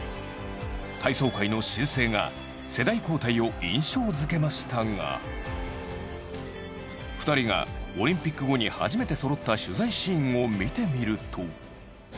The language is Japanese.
体操界の新星が世代交代を印象付けましたが２人がオリンピック後に初めてそろった取材シーンを見てみると。